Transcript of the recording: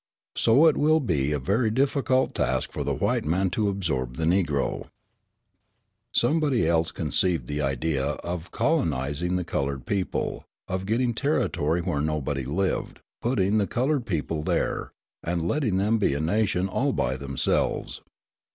So it will be a very difficult task for the white man to absorb the Negro. Somebody else conceived the idea of colonising the coloured people, of getting territory where nobody lived, putting the coloured people there, and letting them be a nation all by themselves.